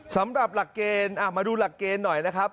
สำหรับหลักเกณฑ์มาดูหลักเกณฑ์หน่อยนะครับ